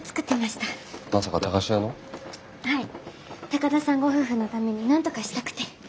高田さんご夫婦のためになんとかしたくて。